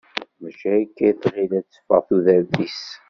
Mačči akka i tɣil ad teffeɣ tudert-is.